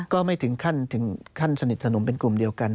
ก็ไม่ถึงขั้นสนิทสนมกลุ่มเดียวกัน